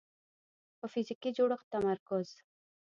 په فزیکي جوړښت تمرکز